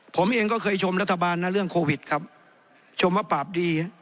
ผมเองก็เคยชมรัฐบาลนะเรื่องโควิดครับชมว่าปราบดี